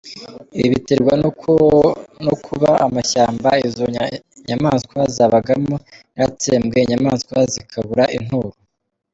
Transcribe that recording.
Ibi biterwa no kuba amashyamba izo nyamaswa zabagamo yaratsembwe inyamaswa zikabura inturo.